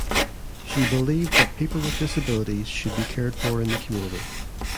She believed that people with disabilities should be cared for in the community.